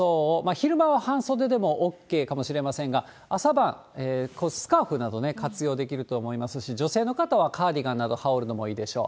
昼間は半袖でもＯＫかもしれませんが、朝晩、スカーフなど活用できると思いますし、女性の方はカーディガンなど羽織るのもいいでしょう。